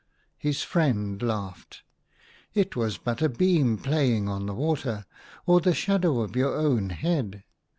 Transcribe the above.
His friend laughed. "It was but a beam playing on the water, or the shadow of your own head.